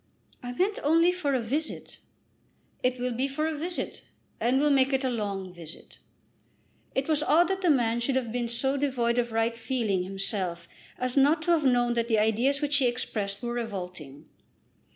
"I meant only for a visit." "It will be for a visit, and we'll make it a long visit." It was odd that the man should have been so devoid of right feeling himself as not to have known that the ideas which he expressed were revolting!